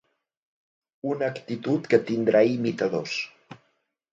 Una actitud que tindrà imitadors.